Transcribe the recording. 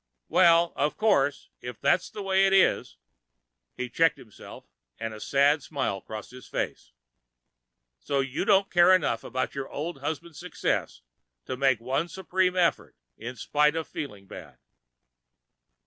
"Well, of course, if that's the way it is ..." He checked himself and a sad smile crossed his face. "So you don't care enough about your old husband's success to make one supreme effort in spite of feeling bad?"